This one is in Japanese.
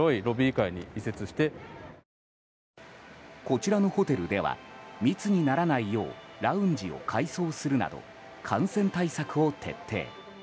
こちらのホテルでは密にならないようラウンジを改装するなど感染対策を徹底。